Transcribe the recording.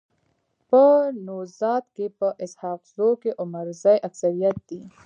په نوزاد کي په اسحق زو کي عمرزي اکثريت دي.